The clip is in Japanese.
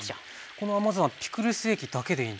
この甘酢あんピクルス液だけでいいんですね。